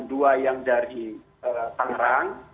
dua yang dari tangerang